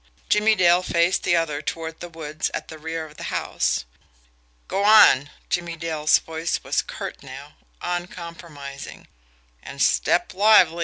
Jimmie Dale faced the other toward the woods at the rear of the house. "Go on!" Jimmie Dale's voice was curt now, uncompromising. "And step lively!"